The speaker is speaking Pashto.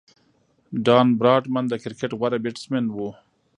ډان براډمن د کرکټ غوره بیټسمېن وو.